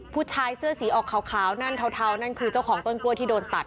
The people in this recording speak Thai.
ผู้ชายเสื้อสีออกขาวนั่นเทานั่นคือเจ้าของต้นกล้วยที่โดนตัด